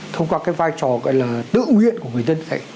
thông qua cái vai trò gọi là tự nguyện của người dân